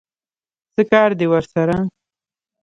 څه کار دی ورسره؟